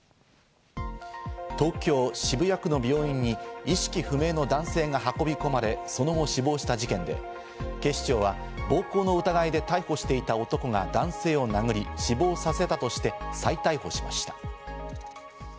東京・渋谷区の病院に意識不明の男性が運び込まれ、その後死亡した事件で、警視庁は暴行の疑いで逮捕していた男が男性を殴り死亡させたとして再逮捕しました。